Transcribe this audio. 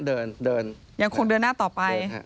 เดินเดินยังคงเดินหน้าต่อไป